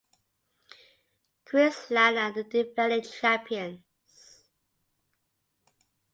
Queensland are the defending champions.